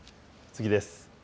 次です。